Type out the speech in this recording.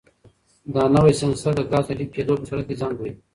دا نوی سینسر د ګازو د لیک کېدو په صورت کې زنګ وهي.